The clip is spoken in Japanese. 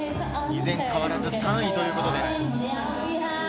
依然変わらず３位ということです。